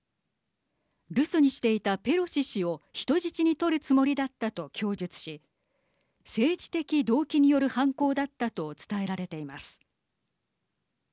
留守にしていたペロシ氏を人質に取るつもりだったと供述し政治的動機による犯行だったと伝えられています。